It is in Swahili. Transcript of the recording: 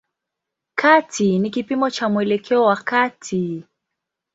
Kati ni kipimo cha mwelekeo wa kati.